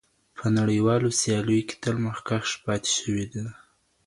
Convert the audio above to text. په نړیوالو سیالیو کې تل مخکښ پاتې شوی دی.